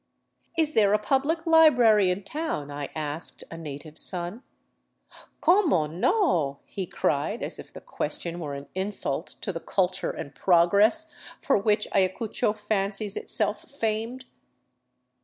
" Is there a public library in town? '* Tasked a native son. " Como no !" he cried, as if the question were an insult to the " cul ture and progress for which Ayacucho fancies itself famed.